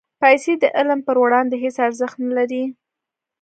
پېسې د علم پر وړاندې هېڅ ارزښت نه لري.